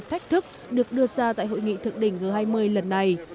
thách thức được đưa ra tại hội nghị thượng đỉnh